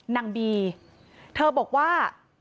นางบีเธอบอกว่า